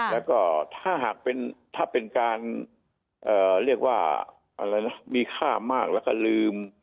แล้วก็ถ้าหากเป็นการเรียกว่ามีค่ามากแล้วก็ลืม